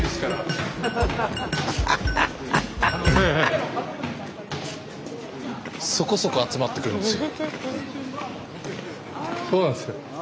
スタジオそこそこ集まってくれるんですよ。